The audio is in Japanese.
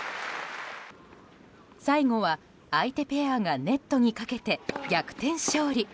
最後は相手ペアがネットにかけて逆転勝利。